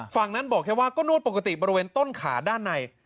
ฝั่งนั้นบอกแค่ว่าก็นวดปกติบริเวณต้นขาด้านใน